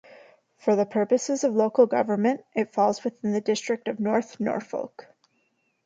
For the purposes of local government, it falls within the district of North Norfolk.